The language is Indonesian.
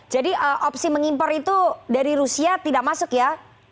jadi opsi mengimpor itu dari rusia tidak masuk ya